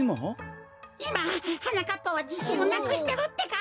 いまはなかっぱはじしんをなくしてるってか！